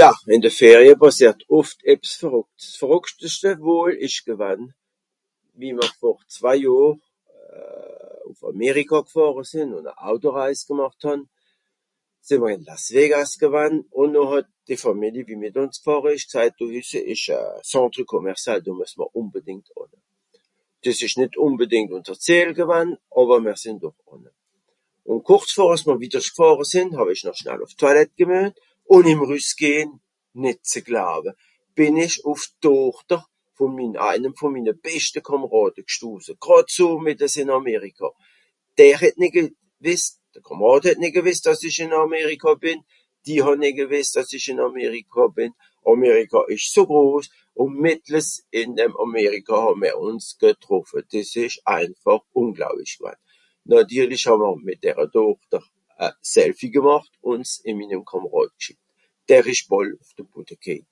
Ja, ìn de Ferie pàssiert oft ebbs verrùckts. S'verrùckteschte wohl ìsch gewann, wie mr vor zwei Johr ùff Àmerikà gfàhre sìnn ùn e Autoreis gemàcht hàn. Sìì mr ìn Las Vegas gewann, ùn noh hàt dìe Fàmili wie mìt ùns gfàhre ìsch gsajt do ìsch e Centre Commercial, do mues mr ùnbedìngt ànne. Dìs ìsch nìt ùnbedìngt ùnser Zìel gewann, àwer mr sìnn doch gegànge. Ùn kùrz vor àss mr widdersch gfàhre sìnn bìn ìch wìddersch gfàhre sìnn hàw-ich noch schnall ùff d'Toilette gemüen, ùn ìm Rüssgehn, nìt ze glawe, bìn ìch ùff d'Tochter vùn mim eijen, vùn minne beschte Kàmàràd gstose. Gràd so mìttes ìn Àmerikà. Der het nìt gewìsst, de Kàmàràd het nìt gewìsst àss ìch ìn Àmerikà bìn. Die hàn nìt gewìsst àss ich ìn Àmerikà bìn. Àmerikà ìsch so gros ùn mìttles ìn dem Àmerikà hà mr ùns getroffe. Dìs ìsch einfàch ùnglaublich gewann. Nàtirlisch hàw mr mìt dere Tochter e Selfi gemàcht ùn s ìn minnem Kàmàràd gschìckt. Der ìsch bàll zem Bodde kéit.